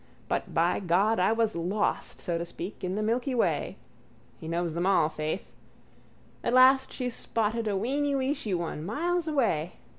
But, by God, I was lost, so to speak, in the milky way. He knows them all, faith. At last she spotted a weeny weeshy one miles away.